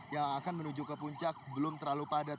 yang akan menuju ke puncak belum terlalu padat